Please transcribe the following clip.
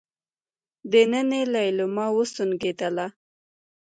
دننه ليلما وسونګېدله.